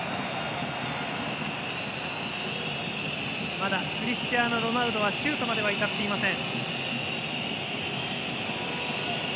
まだクリスチアーノ・ロナウドはシュートまでは至っていません。